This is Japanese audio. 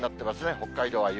北海道は雪。